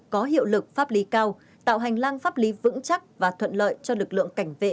có hiệu lực pháp lý cao tạo hành lang pháp lý vững chắc và thuận lợi cho lực lượng cảnh vệ